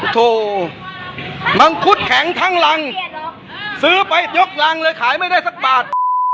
โถมังคุดแข็งทั้งรังซื้อไปยกรังเลยขายไม่ได้สักบาท